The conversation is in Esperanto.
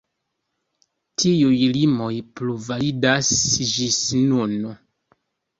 Tiuj limoj plu validas ĝis nun.